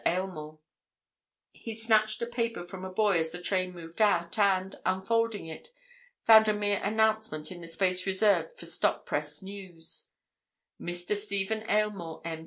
AYLMORE He snatched a paper from a boy as the train moved out and, unfolding it, found a mere announcement in the space reserved for stop press news: "Mr. Stephen Aylmore, M.